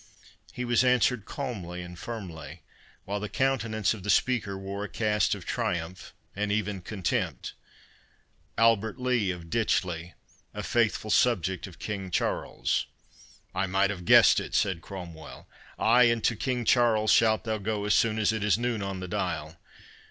He was answered calmly and firmly, while the countenance of the speaker wore a cast of triumph, and even contempt. "Albert Lee of Ditchley, a faithful subject of King Charles." "I might have guessed it," said Cromwell.—"Ay, and to King Charles shalt thou go as soon as it is noon on the dial.